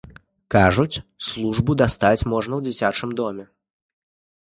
Кажуць, службу дастаць можна ў дзіцячым доме.